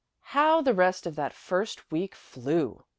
How the rest of that first week flew!